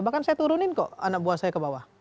bahkan saya turunin kok anak buah saya ke bawah